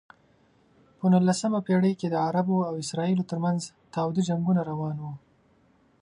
په نولسمه پېړۍ کې د عربو او اسرائیلو ترمنځ تاوده جنګونه روان و.